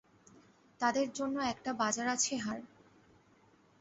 তাদের জন্যএকটা বাজার আছে হাড়?